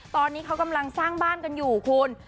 ตอนนี้เขากำลังสร้างบ้านกันอยู่คุณ